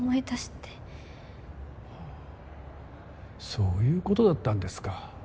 そういうことだったんですか。